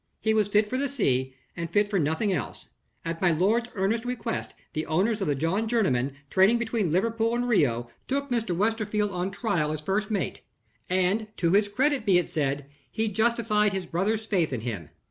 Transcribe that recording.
He was fit for the sea, and fit for nothing else. At my lord's earnest request the owners of the John Jerniman, trading between Liverpool and Rio, took Mr. Westerfield on trial as first mate, and, to his credit be it said, he justified his brother's faith in him.